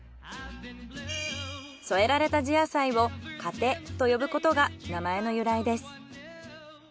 添えられた地野菜を糧と呼ぶことが名前の由来です。